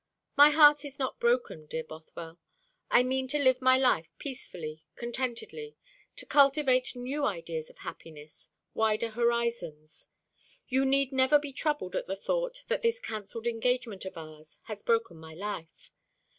My heart is not broken, dear Bothwell; I mean to live my life peacefully, contentedly; to cultivate new ideas of happiness, wider horizons. You need never be troubled at the thought that this cancelled engagement of ours has broken my life.